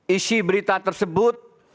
isi berita tersebut